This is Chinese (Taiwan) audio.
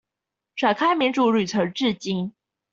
展開民主旅程至今